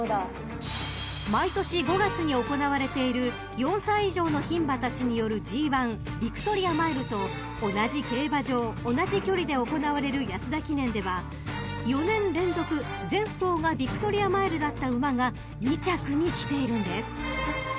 ［毎年５月に行われている４歳以上の牝馬たちによるＧⅠヴィクトリアマイルと［同じ競馬場同じ距離で行われる安田記念では４年連続前走がヴィクトリアマイルだった馬が２着にきているんです］